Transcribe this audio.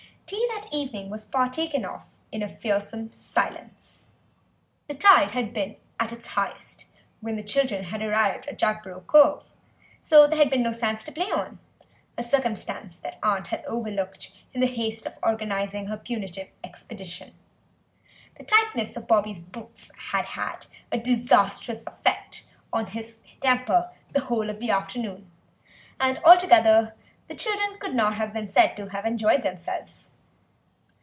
Tea that evening was partaken of in a fearsome silence. The tide had been at its highest when the children had arrived at Jagborough Cove, so there had been no sands to play on—a circumstance that the aunt had overlooked in the haste of organising her punitive expedition. The tightness of Bobby's boots had had disastrous effect on his temper the whole of the afternoon, and altogether the children could not have been said to have enjoyed themselves.